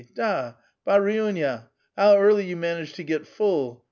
da I baruina! how early you managed to get full!